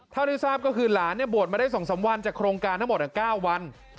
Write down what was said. เท่าที่ทราบก็คือหลานบวชมาได้๒๓วันจากโครงการทั้งหมด๙วัน